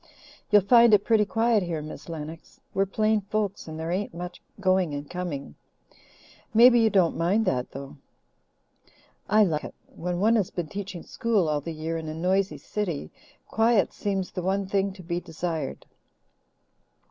"You'll find it pretty quiet here, Miss Lennox. We're plain folks and there ain't much going and coming. Maybe you don't mind that, though?" "I like it. When one has been teaching school all the year in a noisy city, quiet seems the one thing to be desired.